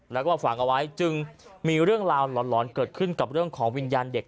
แล้วก็ฝังเอาไว้จึงมีเรื่องราวหลอนเกิดขึ้นกับเรื่องของวิญญาณเด็ก